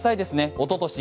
一昨年